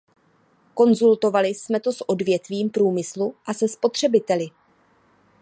Konzultovali jsme to s odvětvím průmyslu a se spotřebiteli.